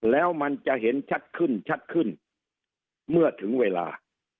แล้วมันจะเห็นชัดขึ้นชัดขึ้นเมื่อถึงเวลา